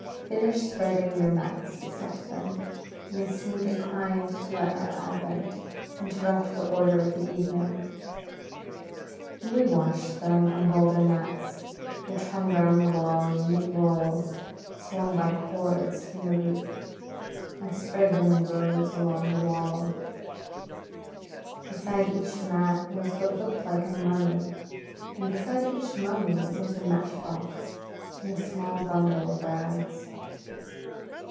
"Finish spreading your mats," we said to them, as they seemed inclined to let our advent interrupt the order of the evening; and we watched them unroll their mats, which hung round the wall in neat rolls swung by cords from the roof, and spread them in rows along the wall. Beside each mat was what looked like a mummy, and beside each mummy was a matchbox and a small bundle of rags.